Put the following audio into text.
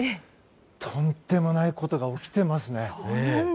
とんでもないことが起きていますね。